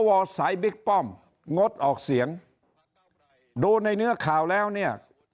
สายบิ๊กป้อมงดออกเสียงดูในเนื้อข่าวแล้วเนี่ย